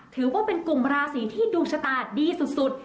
ถือว่าเป็นกลุ่มราศีที่ดวงชะตาดีสุด